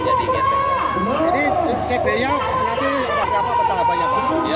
jadi cb nya berarti orang orang tentang apanya pak